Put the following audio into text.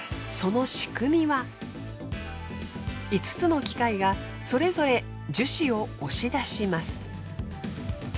その仕組みは５つの機械がそれぞれ樹脂を押し出します。